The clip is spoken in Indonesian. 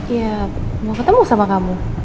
ya mau ketemu sama kamu